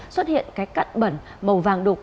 xuất hiện cái cặn bẩn màu vàng đục